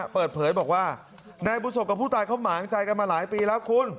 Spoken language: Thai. เปิดเผยบอกว่านายบุษบกับผู้ตายเขาหมางใจกันมาหลายปีแล้วคุณ